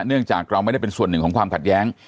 เนื่องจากเราไม่ได้เป็นส่วนหนึ่งของความขัดแย้ง